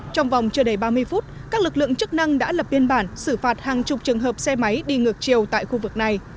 trong vòng chưa đầy ba mươi phút các lực lượng chức năng đã lập biên bản xử phạt hàng chục trường hợp xe máy đi ngược chiều tại khu vực này